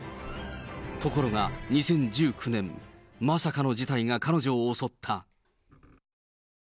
ところが、２０１９年、まさかの事態が彼女を襲った。